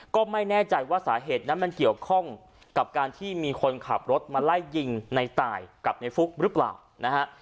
ก็ไม่แน่ใจว่าสาเหตุนั้นมันเกี่ยวข้องกับการที่มีคนขับรถมาไล่ยิงในตายกับในฟุกหรือเปล่านะฮะ